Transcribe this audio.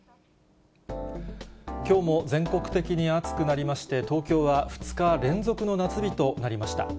きょうも全国的に暑くなりまして、東京は２日連続の夏日となりました。